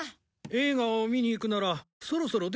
映画を見に行くならそろそろ出なきゃ。